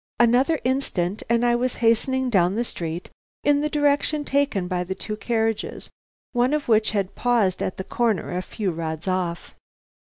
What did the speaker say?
Another instant and I was hastening down the street in the direction taken by the two carriages, one of which had paused at the corner a few rods off.